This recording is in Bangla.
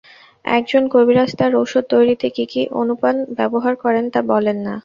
এক জন কবিরাজ তাঁর ওষুধ তৈরিতে কি কি অনুপান ব্যবহার করেন তা বলেন না!